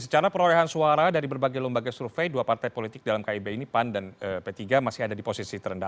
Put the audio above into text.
secara perolehan suara dari berbagai lembaga survei dua partai politik dalam kib ini pan dan p tiga masih ada di posisi terendah